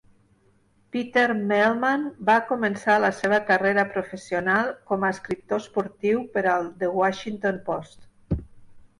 Peter Mehlman va començar la seva carrera professional com a escriptor esportiu per al "The Washington Post".